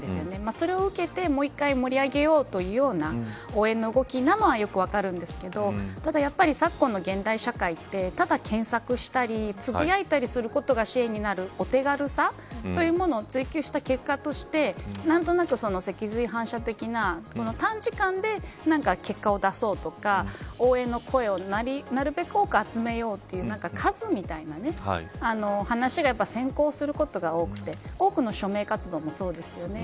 それを受けて、もう１回盛り上げようというような応援の動きなのはよく分かるんですけれどただ、昨今の現代社会ってただ検索したりつぶやいたりすることが支援になるお手軽さというものを追求した結果として何となく脊髄反射的な短時間で何か結果を出そうとか応援の声をなるべく多く集めようという数みたいな話が先行することが多くて多くの署名活動もそうですよね。